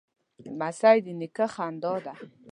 لمسی د نیکه خندا ده.